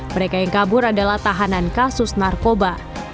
mereka yang kabur adalah tahanan kasus narkoba